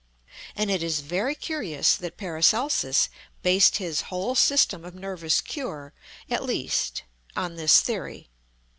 And it is very curious that PARACELSUS based his whole system of nervous cure, at least, on this theory.